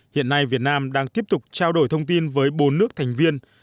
hiện nay việt nam đang tiếp tục trao đổi thông tin với bốn nước thành viên